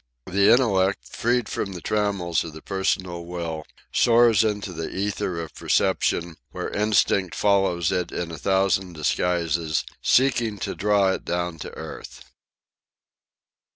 The Intellect, freed from the trammels of the personal will, soars into the ether of perception, where Instinct follows it in a thousand disguises, seeking to draw it down to earth.